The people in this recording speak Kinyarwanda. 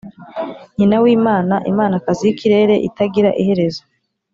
nyina w’imana; imanakazi y’ikirere; itagira iherezo